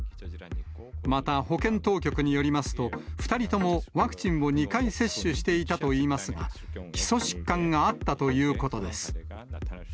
また保健当局によりますと、２人ともワクチンを２回接種していたといいますが、基礎疾患があったということです。